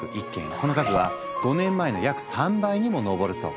この数は５年前の約３倍にも上るそう。